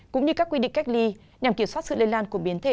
cũng như các quy định cách ly nhằm kiểm soát sự lây lan của biến thể